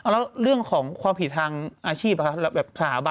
แล้วเรื่องของความผิดทางอาชีพสถาบัน